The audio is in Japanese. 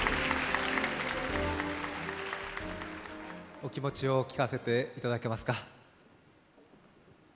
お気持ちを聞かせていただけますか？